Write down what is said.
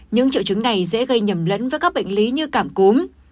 những triệu chứng này dễ gây nhầm lẫn với các bệnh lý như cảm cúm